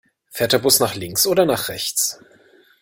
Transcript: Fährt der Bus nach links oder nach rechts?